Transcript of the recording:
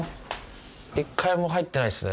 １回も入ってないんですか。